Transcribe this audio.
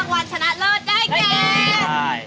ตั้งวันชนะเลิศได้แก